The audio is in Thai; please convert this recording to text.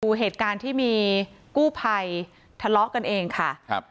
ดูเหตุการณ์ที่มีกู้ภัยทะเลาะกันเองค่ะครับ